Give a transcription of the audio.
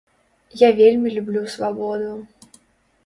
Я вельмі люблю свабоду.